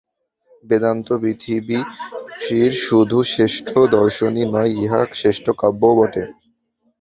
বেদান্ত পৃথিবীর শুধু শ্রেষ্ঠ দর্শনই নয়, ইহা শ্রেষ্ঠ কাব্যও বটে।